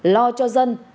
lo cho dân